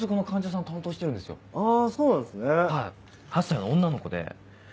８歳の女の子で。